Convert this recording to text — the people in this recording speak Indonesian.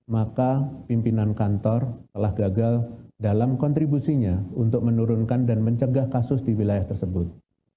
maka pimpinan kantor telah gagal dalam kontribusinya untuk menurunkan dan mencegah kasus di wilayah tersebut